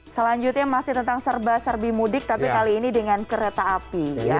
selanjutnya masih tentang serba serbi mudik tapi kali ini dengan kereta api